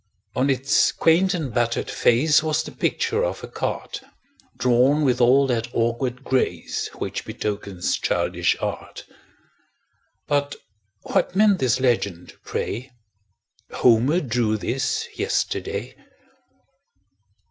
On its quaint and battered face Was the picture of a cart, Drawn with all that awkward grace Which betokens childish art; But what meant this legend, pray: "Homer drew this yesterday?"